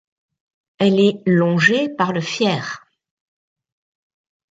Elle est longée par le Fier.